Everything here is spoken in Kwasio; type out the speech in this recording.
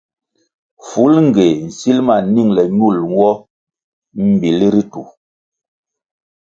Fulngéh nsil ma ningle ñul nwo mbíl ritu.